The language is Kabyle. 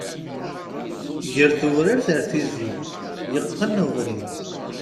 Deg tewrirt ar tizi, yeqqen ubrid.